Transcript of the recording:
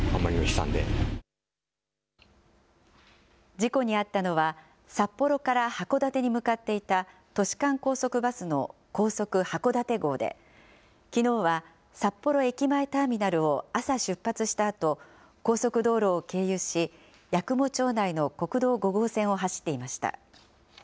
事故に遭ったのは、札幌から函館に向かっていた、都市間高速バスの高速はこだて号で、きのうは札幌駅前ターミナルを朝出発したあと、高速道路を経由し、八雲町内の国道５号線を走っていました。